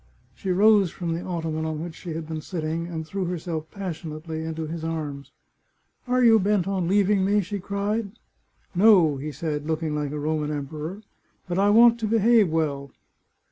She rose from the ottoman on which she had been sitting, and threw herself passionately into his arms. " Are you bent on leaving me ?" she cried. " No," said he, looking like a Roman emperor, " but I want to behave well."